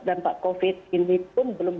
dampak covid ini pun belum